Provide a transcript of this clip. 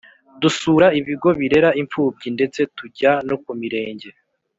Dusura ibigo birera imfubyi ndetse tujya no ku mirenge,